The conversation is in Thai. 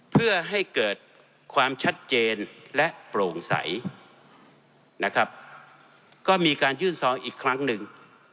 เพื่อให้เกิดความชัดเจนและโปร่งใสนะครับก็มีการยื่นซองอีกครั้งหนึ่ง